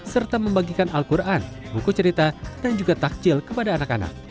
serta membagikan al quran buku cerita dan juga takjil kepada anak anak